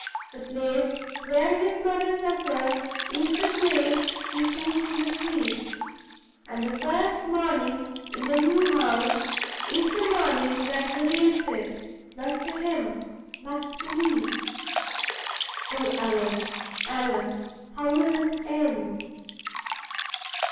"The place where his mother suffered is the place he sees in the Dream; and the first morning in the new house is the morning that reveals it, not to him, but to me. Oh, Allan! Allan! how will it end?"